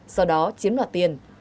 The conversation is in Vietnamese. sau đó chiếm loạt tiền